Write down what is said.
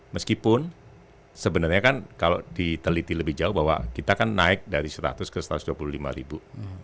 meskipun sebenarnya kan kalau diteliti lebih jauh bahwa kita kan naik dari seratus ke satu ratus dua puluh lima ribu